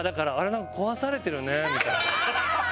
なんか壊されてるね」みたいな。